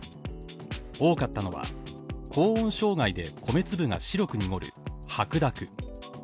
多かったのは、高温障害で米粒が白く濁る白濁。